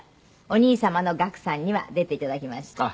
お兄様の學さんには出て頂きました。